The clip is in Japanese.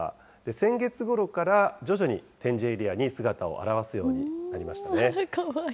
先月ごろから徐々に展示エリアに姿を現すようになりましたね。